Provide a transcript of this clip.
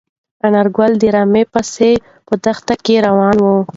انارګل د رمې پسې په دښته کې روان و.